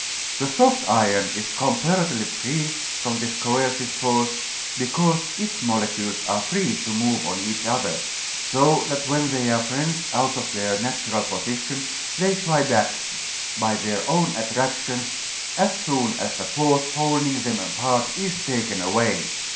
The soft iron is comparatively free from this coercive force, because its molecules are free to move on each other, so that when they are wrenched out of their natural position they fly back by their own attractions as soon as the force holding them apart is taken away.